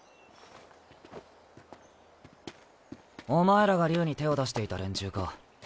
お前らが竜に手を出していた連中か。